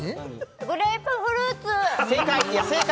グレープフルーツ！正解！